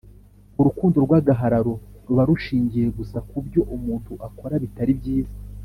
Urukundo rw agahararo ruba rushingiye gusa ku byo umuntu akora bitari byiza